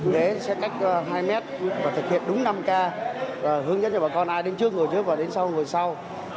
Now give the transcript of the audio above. ghế sẽ cách hai mét và thực hiện đúng năm k hướng dẫn cho bà con ai đến trước người trước và đến sau người sau